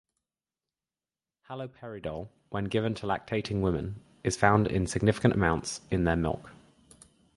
Haloperidol, when given to lactating women, is found in significant amounts in their milk.